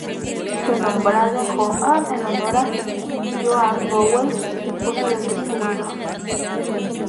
Fue nombrado Jo-Ann en honor a "Jo-Ann Bowell" esposa del descubridor.